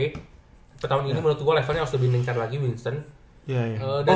tapi tahun ini menurut gua levelnya harus lebih nengkar lagi winston